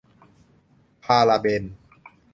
พาราเบน